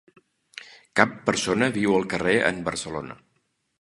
Cap persona viu al carrer en Barcelona